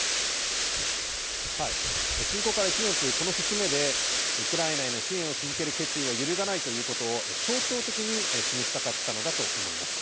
侵攻から１年というこの節目で、ウクライナへの支援を続ける決意を揺るがないということを象徴的に示したかったのだと思います。